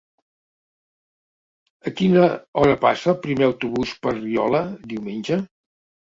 A quina hora passa el primer autobús per Riola diumenge?